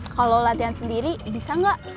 kalau latihan sendiri bisa nggak